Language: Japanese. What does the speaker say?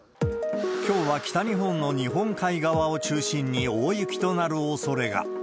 きょうは北日本の日本海側を中心に、大雪となるおそれが。